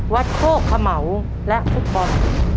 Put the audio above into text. วัดโค้กขะเหมาและฟุตบอล